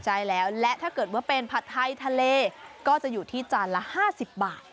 ใช่แล้วและถ้าเกิดว่าเป็นผัดไทยทะเลก็จะอยู่ที่จานละ๕๐บาท